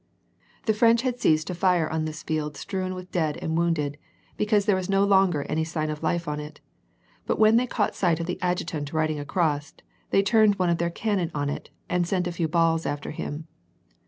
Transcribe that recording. The French had ceased to fire on this field strewn with dead and wounded, because there was no longer any sign of life on it ; but when they caught sight of the adjutant riding across, they turned one of their cannon on it, and sent a few balls after him.